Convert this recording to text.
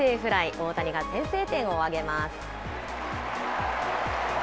大谷が先制点を挙げます。